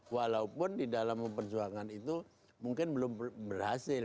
walaupun di dalam memperjuangkan itu mungkin belum berhasil